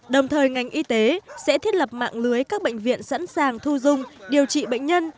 đồng thời ngành y tế sẽ thiết lập mạng lưới các bệnh viện sẵn sàng thu dung điều trị bệnh nhân